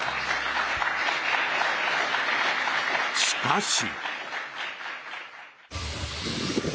しかし。